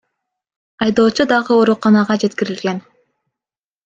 Айдоочу дагы ооруканага жеткирилген.